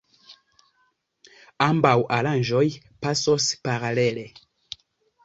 Ambaŭ aranĝoj pasos paralele.